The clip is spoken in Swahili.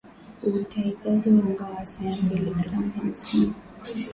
utahitaji unga wa soya mbili gram hamsini